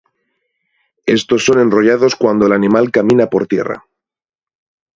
Estos son enrollados cuando el animal camina por tierra.